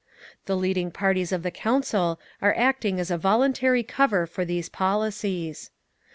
The leading parties of the Council are acting as a voluntary cover for these policies.